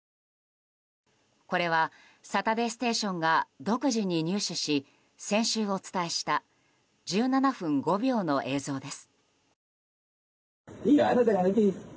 これは「サタデーステーション」が独自に入手し先週お伝えした１７分５秒の映像です。